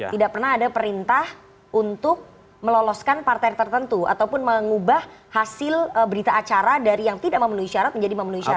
tidak pernah ada perintah untuk meloloskan partai tertentu ataupun mengubah hasil berita acara dari yang tidak memenuhi syarat menjadi memenuhi syarat